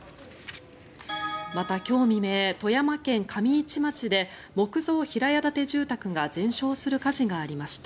また、今日未明富山県上市町で木造平屋建て住宅が全焼する火事がありました。